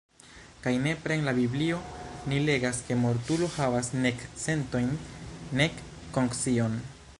Kaj nepre en la Biblio ni legas ke mortulo havas nek sentojn nek konscion.